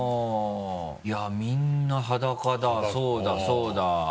いやみんな裸だそうだそうだ。